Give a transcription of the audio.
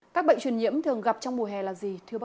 các bệnh truyền nhiễm thường gặp trong mùa hè